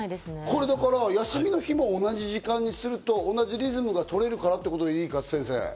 これ、休みの日も同じ時間にすると同じリズムが取れるからということでいいですか？